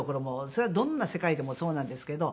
それはどんな世界でもそうなんですけど。